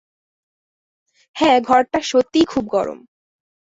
হ্যাঁ, ঘরটা সত্যিই খুব গরম।